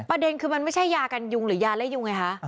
ประเด็นคือมันไม่ใช่ยากันยุงหรือยาและยุงไงคะ